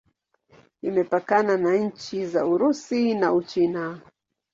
Imepakana na nchi za Urusi na Uchina.